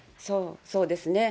そうですね。